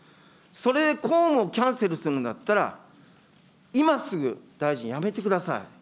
それで公務をキャンセルするんだったら、今すぐ大臣辞めてください。